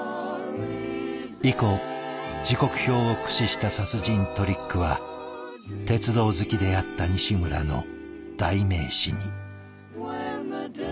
以降時刻表を駆使した殺人トリックは鉄道好きであった西村の代名詞に。